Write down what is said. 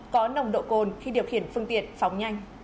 có nồng độ cồn khi điều khiển phương tiện phóng nhanh